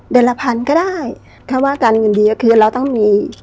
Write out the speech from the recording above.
ละพันก็ได้ถ้าว่าการเงินดีก็คือเราต้องมี